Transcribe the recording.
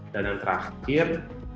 dan yang terakhir